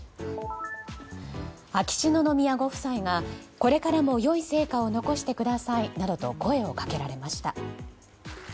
秋篠宮ご夫妻がこれからも良い成果を残してくださいなどと声をかけられました。